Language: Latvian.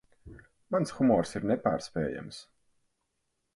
Mans humors ir nepārspējams.